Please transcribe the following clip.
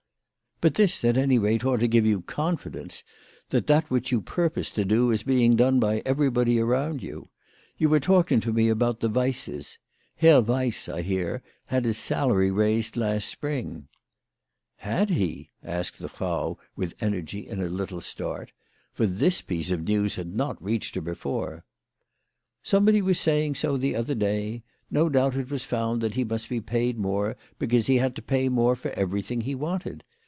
" But this at any rate ought to give you confidence, that that which you purpose to do is being done by everybody around you. You were talking to me about the Weisses. Herr "Weiss, I hear, had his salary raised last spring." " Had he ?" asked the Frau with energy and a little WHY FRAU FROHMANN RAISED HER PRICES. 87 start. For this piece of news had not reached her before. " Somebody was saying so the other day. No doubt it was found that he must be paid more because he had to pay more for everything he wanted.